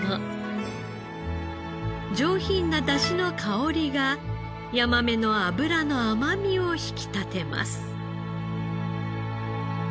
上品な出汁の香りがヤマメの脂の甘みを引き立てます。